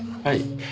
はい。